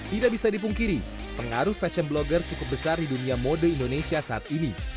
tidak bisa dipungkiri pengaruh fashion blogger cukup besar di dunia mode indonesia saat ini